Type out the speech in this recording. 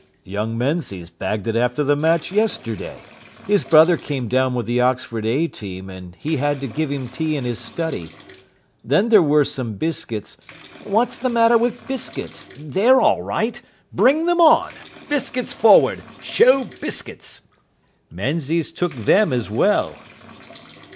"Young Menzies bagged it after the match yesterday. His brother came down with the Oxford A team, and he had to give him tea in his study. Then there were some biscuits " "What's the matter with biscuits? They're all right. Bring them on. Biscuits forward. Show biscuits." "Menzies took them as well."